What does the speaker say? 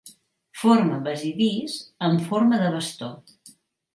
Forma basidis amb forma de bastó.